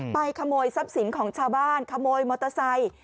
ขโมยทรัพย์สินของชาวบ้านขโมยมอเตอร์ไซค์